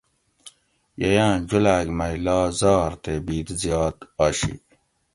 ییاں جولاگ مئی لا زھر تے بید زیاد آشی